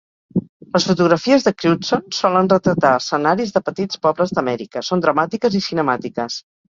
Les fotografies de Crewdson solen retratar escenaris de petits pobles d"Amèrica, són dramàtiques i cinemàtiques.